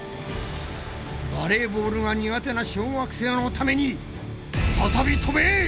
バレーボールが苦手な小学生のために再び飛べ！